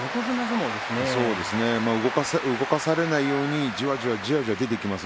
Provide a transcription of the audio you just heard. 動かされないようにじわじわと出ていきます。